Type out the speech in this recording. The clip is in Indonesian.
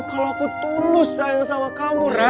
kalau aku tulus sayang sama kamu